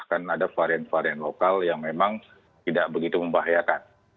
akan ada varian varian lokal yang memang tidak begitu membahayakan